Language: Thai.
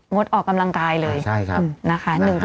งดออกกำลังกายเลย